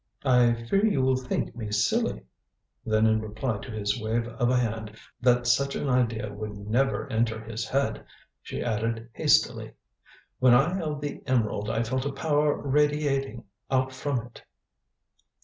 "I fear you will think me silly." Then in reply to his wave of a hand that such an idea would never enter his head, she added hastily: "When I held the emerald I felt a power radiating out from it."